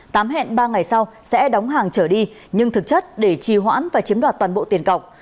tám hẹn ba ngày sau sẽ đóng hàng trở đi nhưng thực chất để trì hoãn và chiếm đoạt toàn bộ tiền cọc